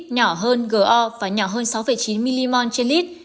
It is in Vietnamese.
nhỏ hơn go và nhỏ hơn sáu chín mg trên lit